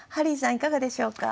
いかがでしょうか？